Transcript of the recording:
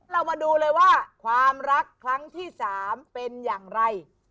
เรามาดูเลยว่าความรักครั้งที่๓เป็นอย่างไร